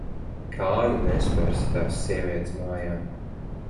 Kāju nespersi tās sievietes mājā.